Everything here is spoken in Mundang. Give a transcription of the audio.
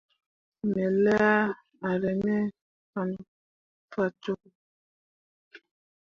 Me laa eremme faa cokki.